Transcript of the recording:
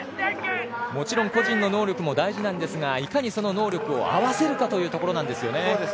もちろん個人の能力も大事なんですがいかに能力を合わせるかですね。